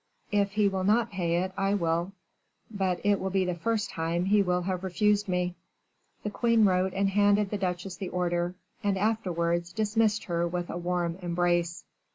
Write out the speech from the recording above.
"If he will not pay it, I will; but it will be the first time he will have refused me." The queen wrote and handed the duchesse the order, and afterwards dismissed her with a warm embrace.